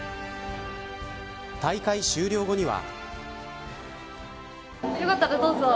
大会終了後には。